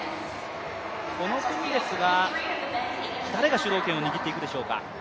この組ですが、誰が主導権を握っていくでしょうか。